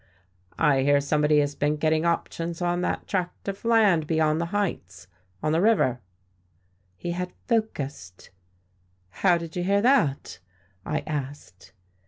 "I hear somebody has been getting options on that tract of land beyond the Heights, on the river." He had "focussed." "How did you hear that?" I asked.